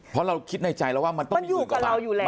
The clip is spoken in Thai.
เพราะเราคิดในใจแล้วว่ามันต้องอยู่กับเราอยู่แล้ว